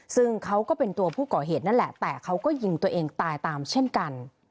ซึ่งเขาก็เป็นตัวผู้ก่อเหตุนั่นแหละแต่เขาก็ยิงตัวเองตายตามเช่นกัน